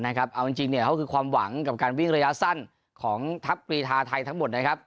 เอาจริงเขาคือความหวังกับการวิ่งระยะสั้นของทัพกรีธาไทยทั้งหมดนะครับ